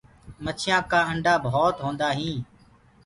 مڇيآ ڪآ آنڊآ ڀوت هوندآ هينٚ۔